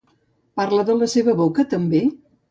Parla de la seva boca, també?